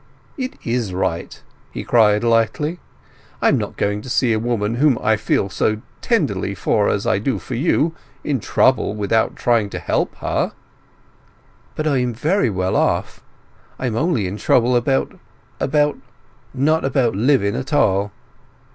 "It is right!" he cried lightly. "I am not going to see a woman whom I feel so tenderly for as I do for you in trouble without trying to help her." "But I am very well off! I am only in trouble about—about—not about living at all!"